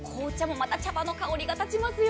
また茶葉の香りが立ちますよ。